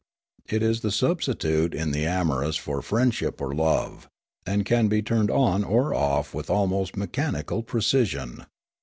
It is the substitute in the amorous for friendship or love, and can be turned on or off with almost mechanical precision.